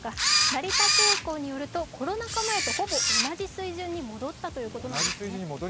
成田空港によると、コロナ禍前とほぼ同じ水準に戻ったということです。